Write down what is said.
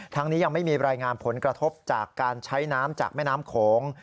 ยังไม่มีรายงานผลกระทบจากการใช้น้ำจากแม่น้ำโขง